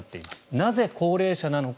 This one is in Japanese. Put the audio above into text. なぜ、高齢者なのか。